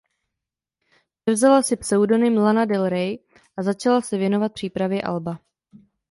Převzala si pseudonym Lana Del Ray a začala se věnovat přípravě alba.